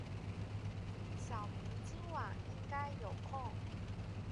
小明今晚应该有空。